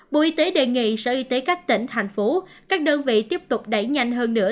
bộ y tế đề nghị sở y tế các tỉnh thành phố các đơn vị tiếp tục đẩy nhanh hơn nữa